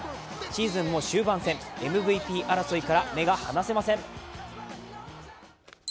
シーズンも終盤戦、ＭＶＰ争いから目が離せません。